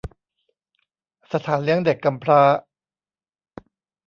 สถานเลี้ยงเด็กกำพร้า